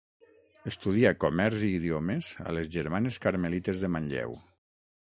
Estudia comerç i idiomes a les germanes carmelites de Manlleu.